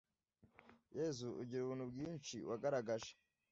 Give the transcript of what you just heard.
yezu ugira ubuntu bwinshi, wagaragaje